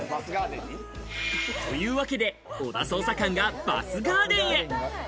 というわけで小田捜査官がバスガーデンへ。